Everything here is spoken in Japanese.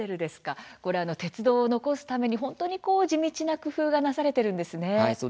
鉄道を残すために本当に地道な工夫がなされているんですね。